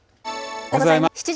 おはようございます。